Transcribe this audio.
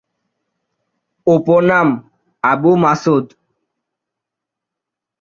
উপনাম: আবু মাসুদ।